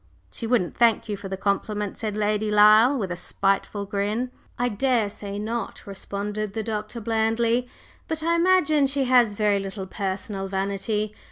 "She wouldn't thank you for the compliment," said Lady Lyle with a spiteful grin. "I daresay not," responded the Doctor blandly, "but I imagine she has very little personal vanity.